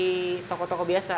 bukan produksi toko toko biasa